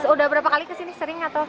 sudah berapa kali kesini sering atau